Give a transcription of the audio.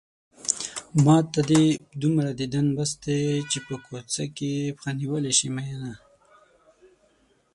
ماته دې دومره ديدن بس دی چې په کوڅه کې پښه نيولی شې مينه